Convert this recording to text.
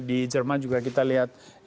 di jerman juga kita lihat